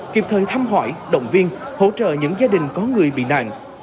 kịp thời thăm hỏi động viên hỗ trợ những gia đình có người bị nạn